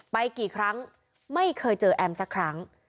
กี่ครั้งไม่เคยเจอแอมสักครั้ง